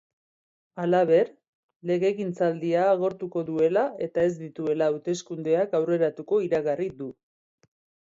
Halaber, legegintzaldia agortuko duela eta ez dituela hauteskundeak aurreratuko iragarri du.